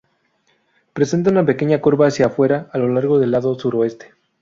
Presenta una pequeña curva hacia afuera a lo largo del lado suroeste.